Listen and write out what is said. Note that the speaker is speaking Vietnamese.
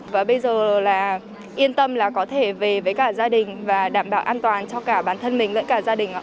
và bây giờ là yên tâm là có thể về với cả gia đình và đảm bảo an toàn cho cả bản thân mình với cả gia đình ạ